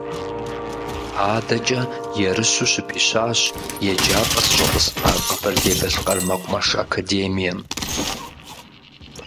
Адэкӏэ ерыщу щыпищащ еджапӏэ зыщӏэтӏысхьа Къэбэрдей-Балъкъэр мэкъумэш академием.